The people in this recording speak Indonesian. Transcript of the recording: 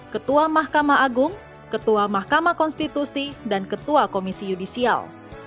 ketua mahkamah agung ketua mahkamah konstitusi dan ketua komisi yudisial